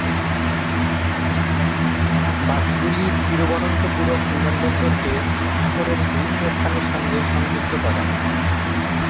বাসগুলি তিরুবনন্তপুরম বিমানবন্দরকে শহরের বিভিন্ন স্থানের সঙ্গে সংযুক্ত করে।